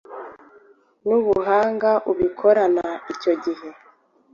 n’ubuhanga ubikorana icyo gihe